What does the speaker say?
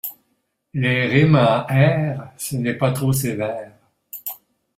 Les rimes en ère, c’est pas trop sévère.